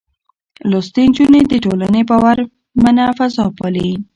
لوستې نجونې د ټولنې باورمنه فضا پالي.